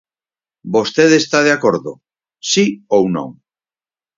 Vostede está de acordo, ¿si ou non?